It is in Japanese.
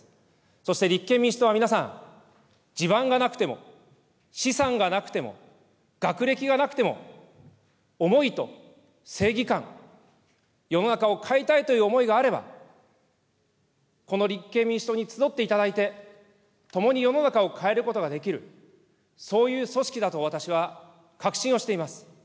そして立憲民主党は皆さん、地盤がなくても、資産がなくても、学歴がなくても、思いと正義感、世の中を変えたいという思いがあれば、この立憲民主党に集っていただいて、ともに世の中を変えることができる、そういう組織だと私は確信をしています。